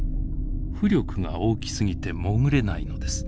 浮力が大きすぎて潜れないのです。